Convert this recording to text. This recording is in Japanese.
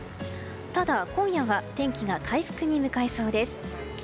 ただ、今夜は天気が回復に向かいそうです。